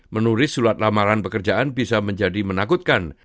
menulis surat lamaran pekerjaan bisa menjadi menakutkan